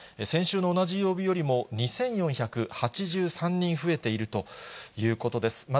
先週の同じ曜日よりも、２４８３人増えているということです。